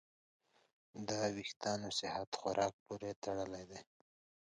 د وېښتیانو صحت خوراک پورې تړلی دی.